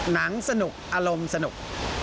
สนุกอารมณ์สนุก